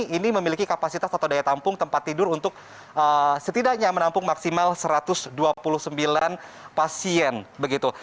ini memiliki kapasitas atau daya tampung tempat tidur untuk setidaknya menampung maksimal satu ratus dua puluh sembilan pasien begitu